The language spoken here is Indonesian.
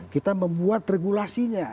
kita membuat regulasinya